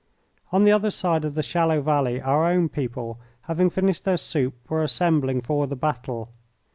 On the other side of the shallow valley our own people, having finished their soup, were assembling for the battle.